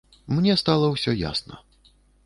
Мне стала ўсё ясна.